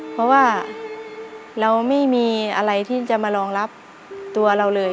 เพราะว่าเราไม่มีอะไรที่จะมารองรับตัวเราเลย